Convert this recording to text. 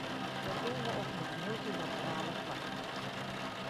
Dat doen we op het multilaterale vlak.